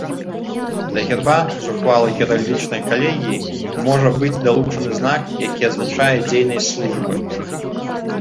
Да герба з ухвалы геральдычнай калегіі можа быць далучаны знак які азначае дзейнасць службы.